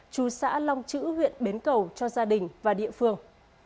chú xã long chữ huyện bến cầu cho gia đình và địa phương